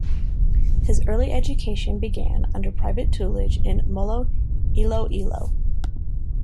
His early education began under private tutelage in Molo, Iloilo.